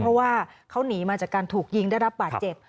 เพราะว่าเขาหนีมาจากการถูกยิงได้รับบาดเจ็บ